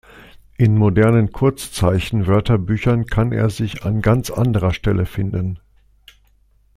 In modernen Kurzzeichen-Wörterbüchern kann er sich an ganz anderer Stelle finden.